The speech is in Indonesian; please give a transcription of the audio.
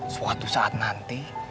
suatu saat nanti